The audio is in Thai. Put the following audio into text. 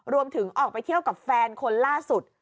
ออกไปเที่ยวกับแฟนคนล่าสุด